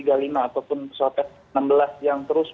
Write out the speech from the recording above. ataupun pesawat f enam belas yang terus